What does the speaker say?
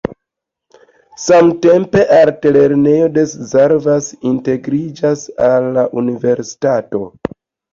Samtempe altlernejo de Szarvas integriĝis al la universitato.